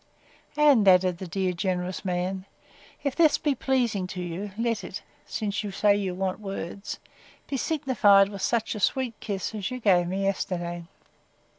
And, added the dear generous man, if this be pleasing to you, let it, since you say you want words, be signified by such a sweet kiss as you gave me yesterday.